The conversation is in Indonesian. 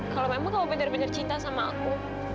kalau memang kamu benar benar cinta sama aku